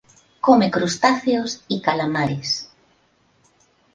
Come crustáceos y calamares.